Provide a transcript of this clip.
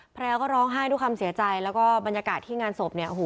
ภรรยาก็ร้องไห้ด้วยความเสียใจแล้วก็บรรยากาศที่งานศพเนี่ยโอ้โห